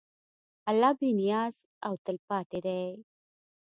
الله بېنیاز او تلپاتې دی.